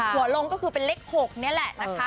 ลงก็คือเป็นเลข๖นี่แหละนะคะ